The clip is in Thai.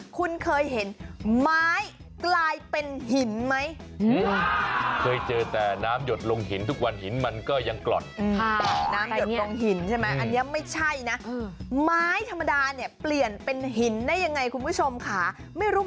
คุณเคยเห็นไม้กลายเป็นหินไหม